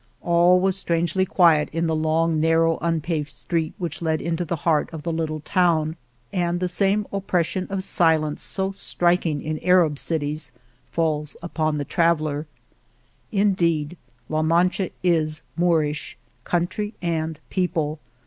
All was strangely quiet in the long, narrow, unpaved street which led into the heart of the little town and the same oppression of silence so strik ing in Arab cities falls upon the traveller. Indeed La Mancha is Moorish, country and people.